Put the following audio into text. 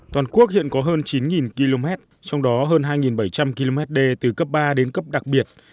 toàn quốc hiện có hơn chín km trong đó hơn hai bảy trăm linh km đê từ cấp ba đến cấp đặc biệt